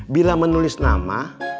bila menulis nama